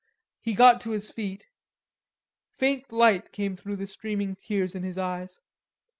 He got to his feet, faint light came through the streaming tears in his eyes.